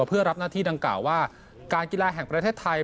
เพื่อรับหน้าที่ดังกล่าวว่าการกีฬาแห่งประเทศไทย